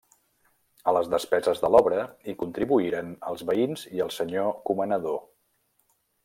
A les despeses de l'obra, hi contribuïren els veïns i el senyor comanador.